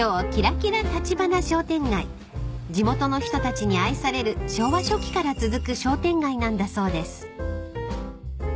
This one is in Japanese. ［地元の人たちに愛される昭和初期から続く商店街なんだそうです］